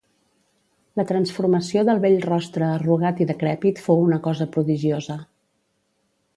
La transformació del vell rostre arrugat i decrèpit fou una cosa prodigiosa.